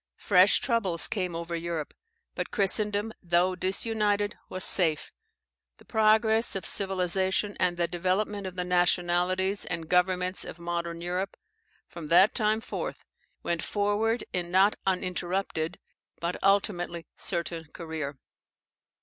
Fresh troubles came over Europe; but Christendom, though disunited, was safe. The progress of civilization, and the development of the nationalities and governments of modern Europe, from that time forth, went forward in not uninterrupted, but, ultimately, certain career.